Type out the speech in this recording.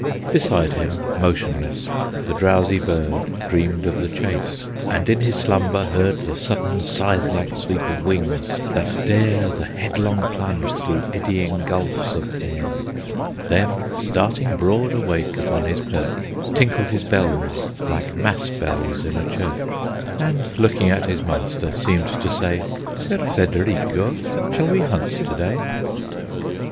Beside him, motionless, the drowsy bird Dreamed of the chase, and in his slumber heard The sudden, scythe like sweep of wings, that dare The headlong plunge thro' eddying gulfs of air, Then, starting broad awake upon his perch, Tinkled his bells, like mass bells in a church, And, looking at his master, seemed to say, "Ser Federigo, shall we hunt to day?"